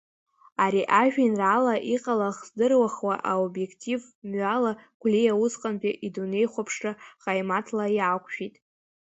Ари ажәеинраала, иҟалах здырхуада, обиектив мҩала Гәлиа усҟантәи идунеихәаԥшра ҟаимаҭла иақәшәеит.